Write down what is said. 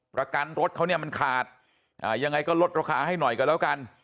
ประกันรถเขาเนี่ยมันขาดยังไงก็ลดราคาให้หน่อยกันแล้วกัน